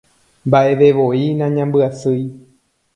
Mbaʼevevoi nañambyasýi.